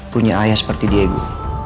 punya ayah seperti diego